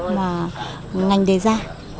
mà ngành đề ra